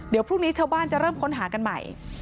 เดี๋ยวพรุ่งนี้ชาวบ้านจะเริ่มค้นหากันใหม่